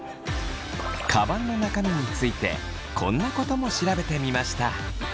カバンの中身についてこんなことも調べてみました。